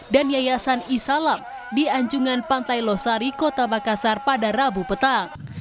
dan yayasan islam di anjungan pantai losari kota makassar pada rabu petang